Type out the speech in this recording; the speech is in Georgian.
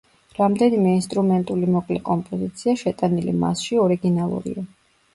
რამდენიმე ინსტრუმენტული მოკლე კომპოზიცია, შეტანილი მასში, ორიგინალურია.